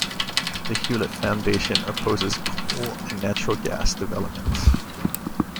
The Hewlett Foundation opposes coal and natural gas development.